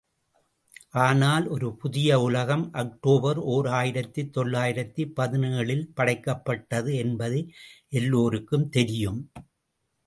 ஆனால் ஒரு புதிய உலகம் அக்டோபர் ஓர் ஆயிரத்து தொள்ளாயிரத்து பதினேழு ல் படைக்கப்பட்டது என்பது எல்லோருக்கும் தெரியும்.